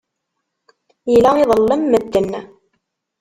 Yella iḍellem medden.